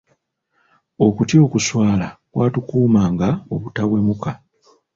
Okutya okuswala kwatukuumanga obutawemuka.